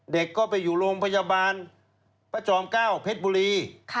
เด็กก็ไปอยู่โรงพยาบาลพระจอม๙เพชรบุรี